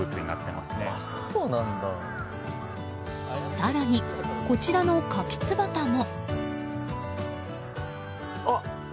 更に、こちらのカキツバタも。